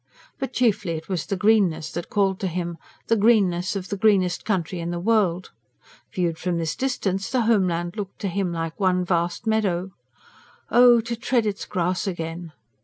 But chiefly it was the greenness that called to him the greenness of the greenest country in the world. Viewed from this distance, the homeland looked to him like one vast meadow. Oh, to tread its grass again!